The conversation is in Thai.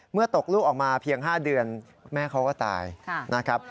ตกลูกออกมาเพียง๕เดือนแม่เขาก็ตายนะครับ